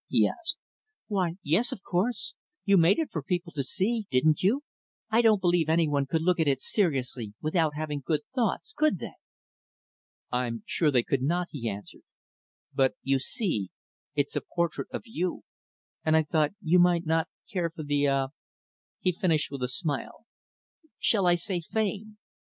he asked. "Why, yes! of course! You made it for people to see, didn't you? I don't believe any one could look at it seriously without having good thoughts, could they?" "I'm sure they could not," he answered. "But, you see, it's a portrait of you; and I thought you might not care for the ah " he finished with a smile "shall I say fame?"